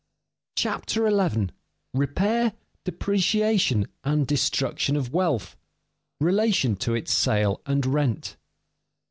CHAPTER 11 REPAIR, DEPRECIATION, AND DESTRUCTION OF WEALTH: RELATION TO ITS SALE AND RENT § I.